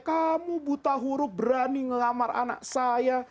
kamu buta huruf berani ngelamar anak saya